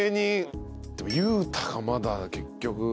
でも雄太がまだ結局。